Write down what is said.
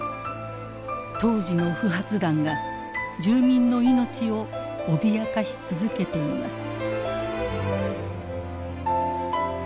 当時の不発弾が住民の命を脅かし続けています。